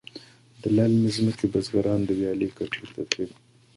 د للمې ځمکې بزگران د ویالې کټیر ته تللي دي.